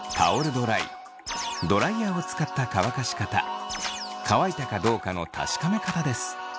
ドライドライヤーを使った乾かし方乾いたかどうかの確かめ方です。